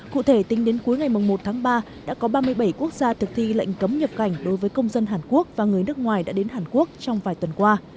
cụ thể tính đến cuối ngày một tháng ba đã có ba mươi bảy quốc gia thực thi lệnh cấm nhập cảnh đối với công dân hàn quốc và người nước ngoài đã đến hàn quốc trong vài tuần qua